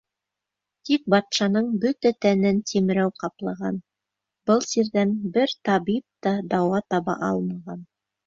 Тик батшаның бөтә тәнен тимерәү ҡаплаған, был сирҙән бер табип та дауа таба алмаған.